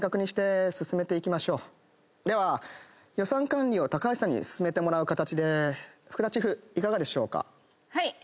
では予算管理をタカハシさんに進めてもらう形で福田チーフいかがでしょうか？